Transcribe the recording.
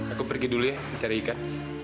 aku pergi dulu ya mencari ikan